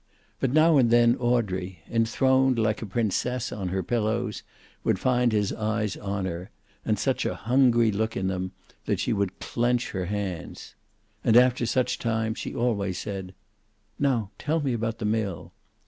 But now and then Audrey, enthroned, like a princess on her pillows, would find his eyes on her, and such a hungry look in them that she would clench her hands. And after such times she always said: "Now, tell me about the mill."